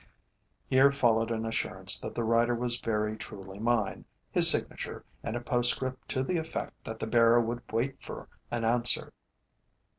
Here followed an assurance that the writer was very truly mine, his signature, and a postscript to the effect that the bearer would wait for an answer.